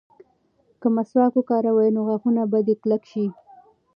که مسواک وکاروې نو غاښونه به دې کلک شي.